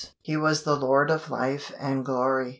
He was the Lord of life and glory.